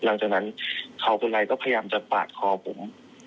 หลังจากนั้นเขาคนไรก็พยายามจะปาดคอผม